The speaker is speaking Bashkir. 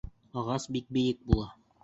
Ағас бик бейек була.